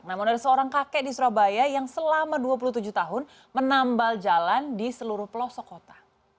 namun ada seorang kakek di surabaya yang selama dua puluh tujuh tahun menambal jalan di seluruh pelosok kota